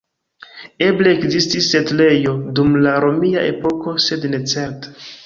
Eble ekzistis setlejo dum la romia epoko sed ne certe.